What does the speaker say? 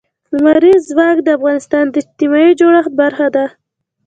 لمریز ځواک د افغانستان د اجتماعي جوړښت برخه ده.